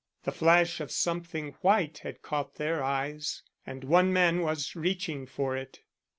The flash of something white had caught their eyes and one man was reaching for it.